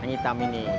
yang hitam ini boleh mas